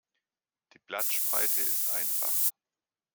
Die Blattspreite ist einfach.